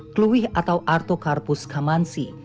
kluih atau artocarpus camansi